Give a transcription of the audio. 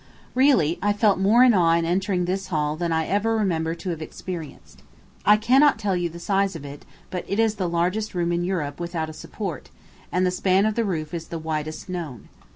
Really, I felt more awe in entering this hall than I ever remember to have experienced. I cannot tell you the size of it, but it is the largest room in Europe without a support, and the span of the roof is the widest known.